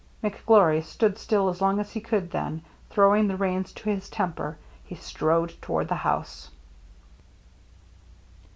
McGlory stood still as long as he could, then, throwing the reins to his temper, he strode toward the house.